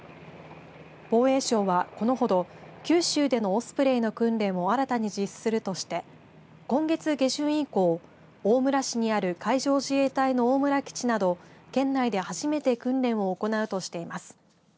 防衛省は、このほど九州でのオスプレイの訓練を新たに実施するとして今月下旬以降、大村市にある海上自衛隊の大村基地など県内で初めて訓練を行うとしています。